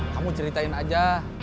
kamu ceritain aja